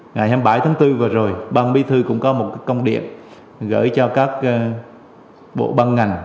ngày hai mươi bảy tháng bốn vừa rồi ban bí thư cũng có một công điện gửi cho các bộ băng ngành